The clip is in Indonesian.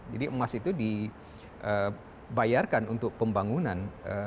jadi emas itu dibayarkan untuk pembangunan